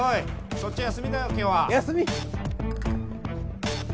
そっち休みだよ今日は休み？